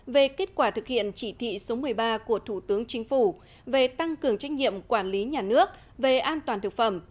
về kết quả thực hiện chỉ thị số một mươi ba của thủ tướng chính phủ về tăng cường trách nhiệm quản lý nhà nước về an toàn thực phẩm